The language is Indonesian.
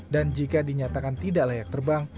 dan jika dinyatakan tidak layak terbang